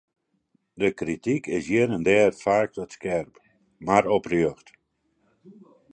De krityk is hjir en dêr faaks wat skerp, mar oprjocht.